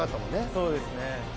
そうですね。